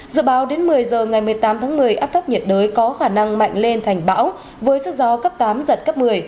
dự báo đến một mươi giờ ngày một mươi tám tháng một mươi áp thấp nhiệt đới có khả năng mạnh lên thành bão với sức gió cấp tám giật cấp một mươi